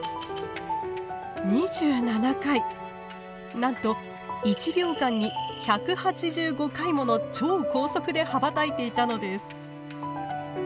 なんと１秒間に１８５回もの超高速で羽ばたいていたのです。